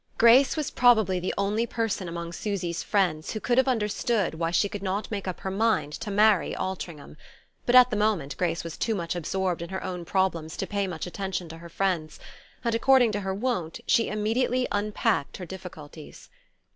Grace was probably the only person among Susy's friends who could have understood why she could not make up her mind to marry Altringham; but at the moment Grace was too much absorbed in her own problems to pay much attention to her friend's, and, according to her wont, she immediately "unpacked" her difficulties.